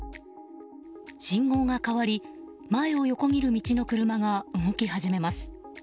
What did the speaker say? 信号が変わり前を横切る道の車が動き始めます。